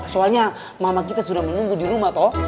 soalnya mama kita sudah menunggu dirumah toh